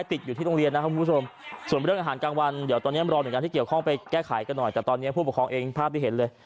เพราะว่านี้ผู้ผู้บทครองเองภาพที่เห็นเลย